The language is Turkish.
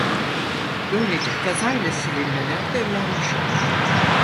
Böylece kazayla silinmeler de önlenmiş olur.